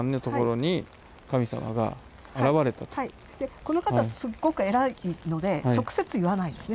この方すっごく偉いので直接言わないんですね。